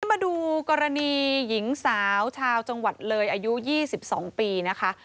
มาดูกรณีหญิงสาวชาวจังหวัดเลยอายุ๒๒ปีนะคะ